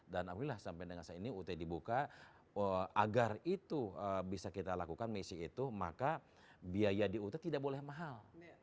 alhamdulillah sampai dengan saat ini ut dibuka agar itu bisa kita lakukan messi itu maka biaya di ut tidak boleh mahal